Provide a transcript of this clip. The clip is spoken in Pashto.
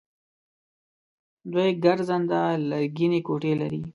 دوی ګرځنده لرګینې کوټې لري.